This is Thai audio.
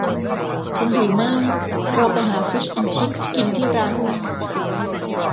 ฉันหิวมาก เราไปหาฟิชแอนด์ชิพกินที่ร้านไหม